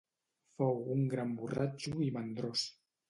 Fou un gran borratxo i mandrós.